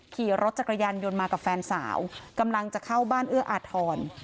ขี่รถจักรยานยนต์มากับแฟนสาวกำลังจะเข้าบ้านเอื้ออาทร